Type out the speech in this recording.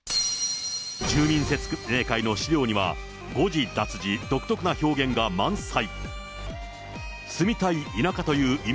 住民説明会の資料には、誤字脱字、独特な表現が満載。